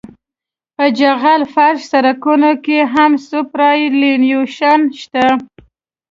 په جغل فرش سرکونو کې هم سوپرایلیویشن شته